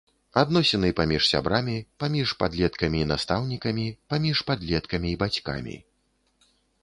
Адносіны паміж сябрамі, паміж падлеткамі і настаўнікамі, паміж падлеткамі і бацькамі.